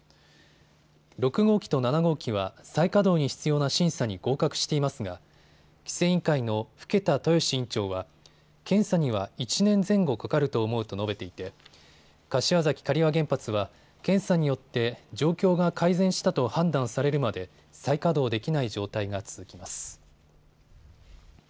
６号機と７号機は再稼働に必要な審査に合格していますが規制委員会の更田豊志委員長は検査には１年前後かかると思うと述べていて柏崎刈羽原発は検査によって状況が改善したと判断されるまで再稼働できない状態が続きます。